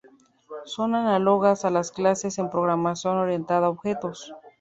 Son análogas a las clases en programación orientada a objetos.